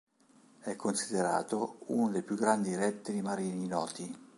È considerato uno dei più grandi rettili marini noti.